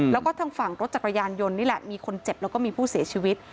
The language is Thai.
แล้วก็ทางฝั่งรถจักรยานยนต์นี่แหละมีคนเจ็บแล้วก็มีผู้เสียชีวิต